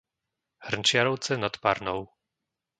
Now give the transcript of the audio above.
Hrnčiarovce nad Parnou